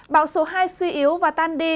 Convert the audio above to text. bão số hai suy yếu và tan đi